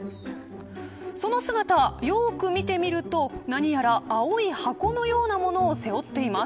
その姿、よーく見てみると何やら青い箱のようなものを背負っています。